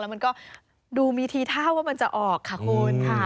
มันก็ดูมีทีท่าว่ามันจะออกค่ะคุณค่ะ